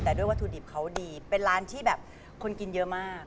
แต่ด้วยวัตถุดิบเขาดีเป็นร้านที่แบบคนกินเยอะมาก